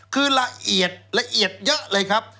คือละเอียดละเอียดเยอะเลยครับ